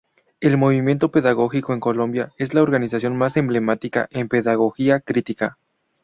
El movimiento pedagógico en Colombia, es la organización más emblemática en pedagogía crítica.